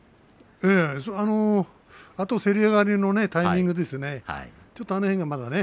ええ、それとあとせり上がりのタイミングですね。